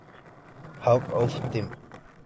All of Them.